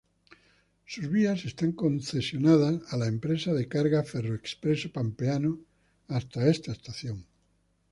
Sus vías están concesionadas a la empresa de cargas Ferroexpreso Pampeano hasta esta estación.